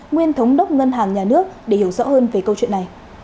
nguyên thống đốc ngân hàng nhà nước để hiểu rõ hơn về câu chuyện này